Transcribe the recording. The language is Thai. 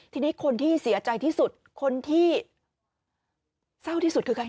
ทีนี้คนที่เสียใจที่สุดคนที่เศร้าที่สุดคือใคร